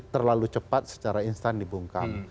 terlalu cepat secara instan dibungkam